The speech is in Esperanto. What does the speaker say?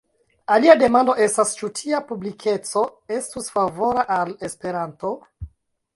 Alia demando estas, ĉu tia publikeco estus favora al Esperanto.